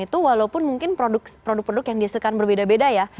itu walaupun mungkin produk produk yang dihasilkan berbeda beda ya